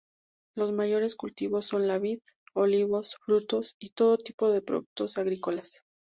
Los mayores cultivos son la vid, olivos, frutos y todo tipo de productos agrícolas.